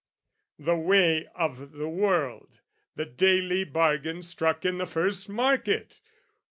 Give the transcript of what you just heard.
The way of the world, the daily bargain struck In the first market!